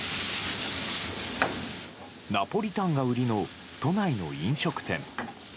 ナポリタンが売りの都内の飲食店。